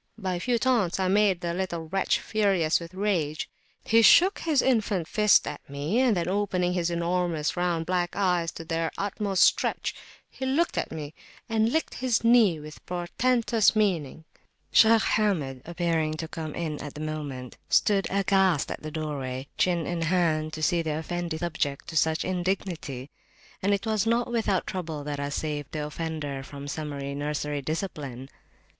By a few taunts, I made the little wretch furious with rage; he shook his infant fist at me, and then opening his enormous round black eyes to their utmost stretch, he looked at me, and licked his knee with portentous meaning. Shaykh Hamid, happening to come in at the moment, stood aghast at the doorway, chin in hand, to see the Effendi subject to such indignity; and it was not without trouble that I saved the offender from summary nursery discipline.